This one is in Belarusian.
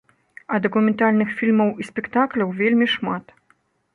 А дакументальных фільмаў і спектакляў вельмі шмат.